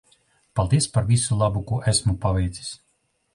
Paldies par visu labo ko esmu paveicis.